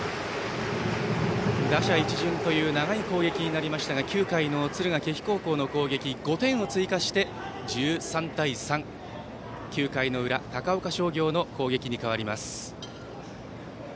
打者一巡という長い攻撃になりましたが９回の敦賀気比高校の攻撃５点を追加して１３対３。９回の裏高岡商業の攻撃に変わります。